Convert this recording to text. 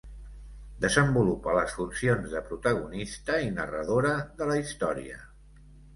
Desenvolupa les funcions de protagonista i narradora de la història.